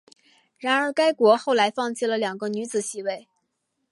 然而该国后来放弃了两个女子席位。